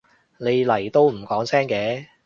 你嚟都唔講聲嘅？